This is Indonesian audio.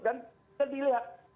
dan kita dilihat